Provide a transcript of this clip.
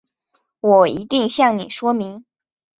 我一定向你说明